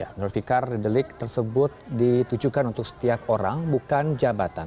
menurut fikar delik tersebut ditujukan untuk setiap orang bukan jabatan